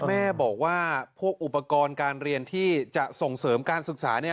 แม่บอกว่าพวกอุปกรณ์การเรียนที่จะส่งเสริมการศึกษา